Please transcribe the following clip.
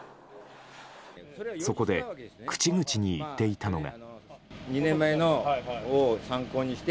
そこで、口々に言っていたのが。